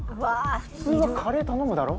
普通はカレー頼むだろ？